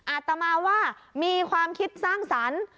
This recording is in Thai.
อาตมาว่ามีความคิดสร้างสรรค์